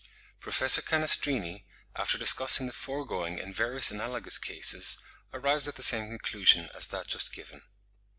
Professor Canestrini, after discussing the foregoing and various analogous cases, arrives at the same conclusion as that just given.